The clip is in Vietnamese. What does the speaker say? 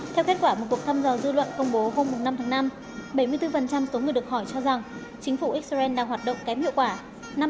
theo kết quả một cuộc thăm dò dư luận công bố hôm năm tháng năm bảy mươi bốn số người được hỏi cho rằng chính phủ israel đang hoạt động kém hiệu quả